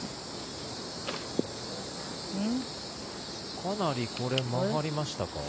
かなりこれは曲がりましたか？